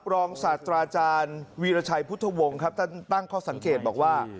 รองศาสตราอาจารย์วีรชัยพุทธวงศ์ครับท่านตั้งข้อสังเกตบอกว่า